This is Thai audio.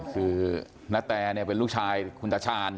คือณแตเป็นลูกชายคุณตาชาญ